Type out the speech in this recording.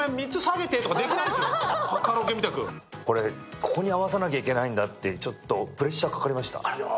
ここに合わさなきゃいけないんだって、プレッシャーかかりました。